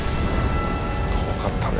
怖かったね